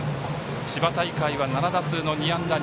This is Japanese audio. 千葉大会は７打数２安打。